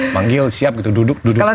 manggil siap gitu duduk duduk